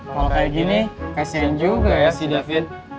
kalo kayak gini kesian juga ya si davin